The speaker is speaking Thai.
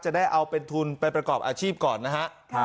จะได้เอาเป็นทุนไปประกอบอาชีพก่อนนะฮะ